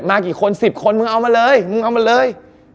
มากี่คน๑๐คนมึงเอามาเลย